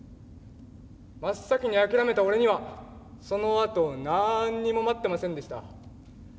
真っ先に諦めた俺にはそのあとなんにも待ってませんでした。